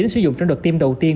sử dụng trong đợt tiêm đầu tiên